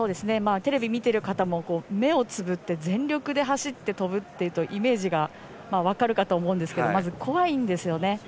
テレビを見ている方も目をつぶって全力で走って跳ぶというとイメージが分かるかと思いますがまず怖いんですよね。